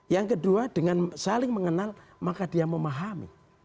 yang kedua dengan saling mengenal maka dia memahami